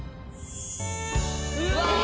うわ。